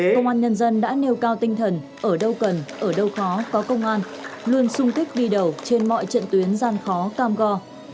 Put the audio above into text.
công an nhân dân đã nêu cao tinh thần ở đâu cần ở đâu khó có công an luôn sung kích đi đầu trên mọi trận tuyến gian khó cam go